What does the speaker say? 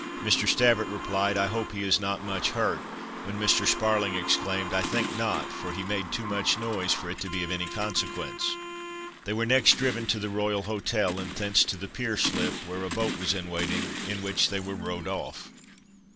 Mr. Stavert replied, "I hope he is not much hurt," when Mr. Sparling exclaimed, "I think not, for he made too much noise for it to be of any consequence." They were next driven to the Royal Hotel and thence to the Pier Slip, where a boat was in waiting, in which they were rowed off.